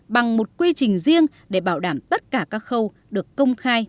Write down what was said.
bằng một quy trình riêng để bảo đảm tất cả các khâu được công khai